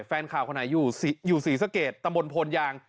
แฟนค่าของใครอยู่ศรีสเกรดตะบลพลยาง